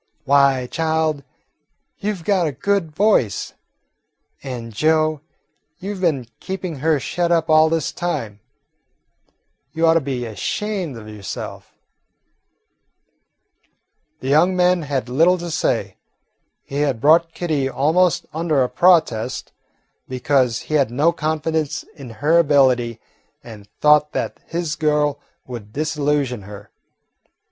"Why, child, you 've got a good voice. And, Joe, you 've been keeping her shut up all this time. You ought to be ashamed of yourself." The young man had little to say. He had brought Kitty almost under a protest, because he had no confidence in her ability and thought that his "girl" would disillusion her.